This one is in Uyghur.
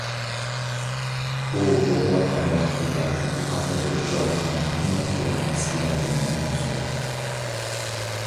ئۇ ئوقۇۋاتقان ۋاقىتلىرىدا تەتقىقاتىدا ئۇچراتقان ماتېماتىكىلىق مەسىلىلەرنى مەندىن سورايتتى.